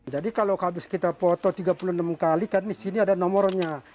jadi kalau habis kita foto tiga puluh enam kali kan di sini ada nomornya